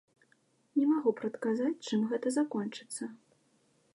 Не магу прадказаць, чым гэта закончыцца.